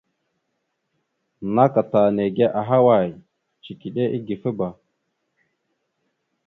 Naka ta nège ahaway? Cikiɗe igefaba.